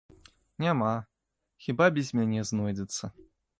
Няма, хіба без мяне знойдзецца.